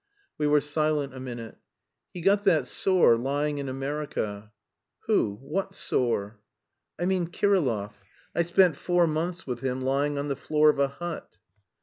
We were silent a minute. "He got that sore lying in America." "Who? What sore?" "I mean Kirillov. I spent four months with him lying on the floor of a hut."